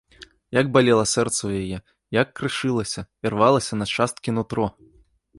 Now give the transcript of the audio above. Як балела сэрца ў яе, як крышылася, ірвалася на часткі нутро!